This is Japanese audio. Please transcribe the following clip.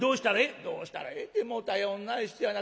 「『どうしたらええ？』ってもう頼んない人やな。